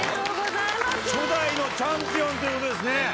初代のチャンピオンということですね。